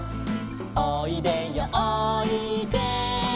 「おいでよおいで」